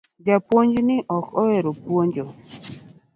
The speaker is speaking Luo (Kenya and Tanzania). Japuonj ni ok ohero puonjo